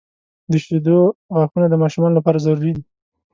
• د شیدو غاښونه د ماشومانو لپاره ضروري دي.